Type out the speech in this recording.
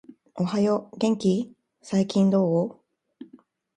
おはよう、元気ー？、最近どう？？